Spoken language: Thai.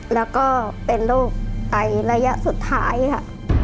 แล้วก็เป็นโรคไตระยะสุดท้ายค่ะ